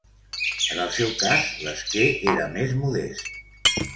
En el seu cas, l'esquer era més modest.